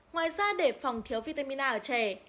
ngoài ra để phòng thiếu vitamin a ở trẻ